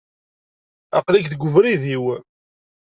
Aqli-k deg ubrid-iw.